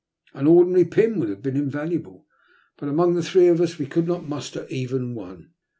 An ordinary pin would have been invaluable; but among the three of us we could not muster even one.